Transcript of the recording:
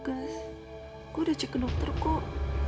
gus gue udah cek ke dokter kok